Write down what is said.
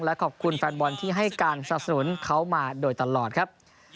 และขอบคุณแฟนบอลที่ให้การสนับสนุนเขามาโดยตลอดครับ